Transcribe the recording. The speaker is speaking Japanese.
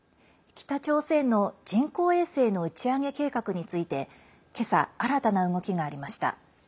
北朝鮮の人工衛星の打ち上げ計画について今朝、新たな動きがありました。